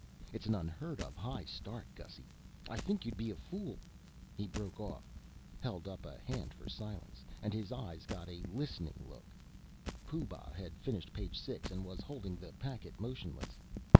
It's an unheard of high start. Gussy, I think you'd be a fool " He broke off, held up a hand for silence, and his eyes got a listening look. Pooh Bah had finished page six and was holding the packet motionless.